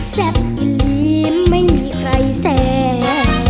แซ่บอิลลิมไม่มีใครแสง